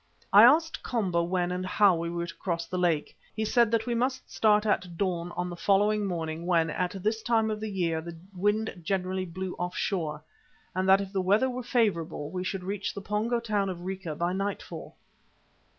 I asked Komba when and how we were to cross the lake. He said that we must start at dawn on the following morning when, at this time of the year, the wind generally blew off shore, and that if the weather were favourable, we should reach the Pongo town of Rica by nightfall.